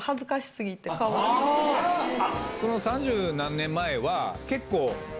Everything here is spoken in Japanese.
その３０何年前は結構。